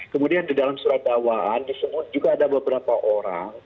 kemudian di dalam surat dakwaan disebut juga ada beberapa orang